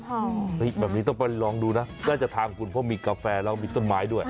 แบบนี้ต้องไปลองดูนะน่าจะทางคุณเพราะมีกาแฟแล้วมีต้นไม้ด้วย